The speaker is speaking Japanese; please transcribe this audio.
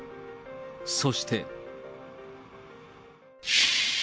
そして。